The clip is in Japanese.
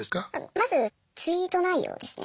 まずツイート内容ですね。